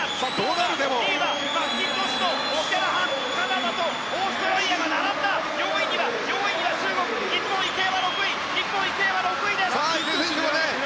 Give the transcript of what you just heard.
マッキントッシュとオキャラハンカナダとオーストラリアが並んだ４位には中国日本、池江は６位です。